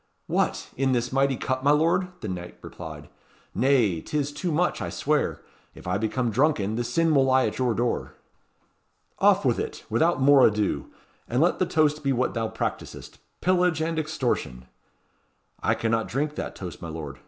"What! in this mighty cup, my lord?" the knight replied. "Nay, 'tis too much, I swear. If I become drunken, the sin will lie at your door." "Off with it! without more ado. And let the toast be what thou practisest 'Pillage and Extortion!'" "I cannot drink that toast, my lord.